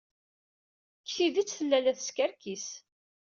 Deg tidet, tella la teskerkis.